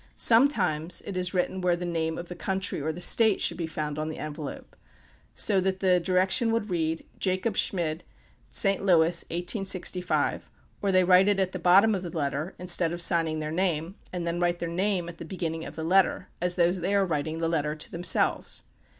Sometimes it is written where the name of the country or the State should be found on the envelope, so that the direction would read, "Jacob Schmied, St. Louis, 1865;" or they write it at the bottom of the letter, instead of signing their name, and then write their name at the beginning of the letter, as though they were writing the letter to themselves.